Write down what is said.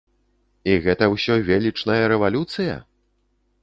І гэта ўсё велічная рэвалюцыя?